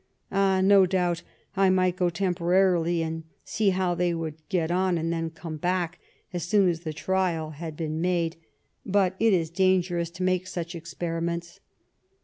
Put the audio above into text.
Ah ! no doubt I might go tem porarily and see how they would get on, and then come back as soon as the trial had been 215 Bismarck made. But it is dangerous to make such experi ments."